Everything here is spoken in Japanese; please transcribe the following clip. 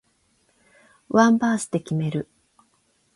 ワンバースで決める